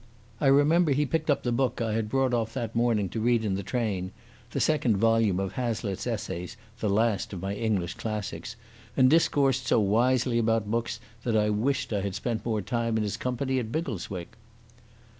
I remember he picked up the book I had brought off that morning to read in the train—the second volume of Hazlitt's Essays, the last of my English classics—and discoursed so wisely about books that I wished I had spent more time in his company at Biggleswick.